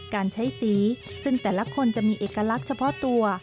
การใช้สีซึ่งแต่ละคนจะมีเอกลักษณ์เฉพาะตัว